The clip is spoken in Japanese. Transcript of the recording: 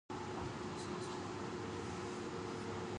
深爪